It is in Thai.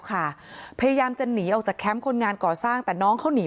พยายามจะหนีออกจากแคมป์คนงานก่อสร้างแต่น้องเขาหนี